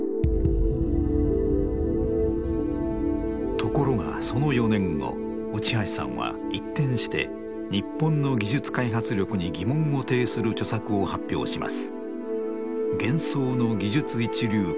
ところがその４年後内橋さんは一転して日本の技術開発力に疑問を呈する著作を発表します。